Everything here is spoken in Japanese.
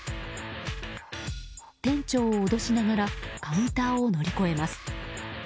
店長を脅しながらカウンターを乗り越えます。